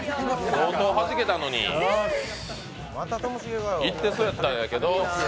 相当はじけたのに、いってそうやったんだけど。